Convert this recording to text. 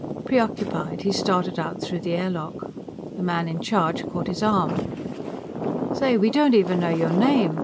_ Preoccupied, he started out through the airlock. The man in charge caught his arm. "Say, we don't even know your name!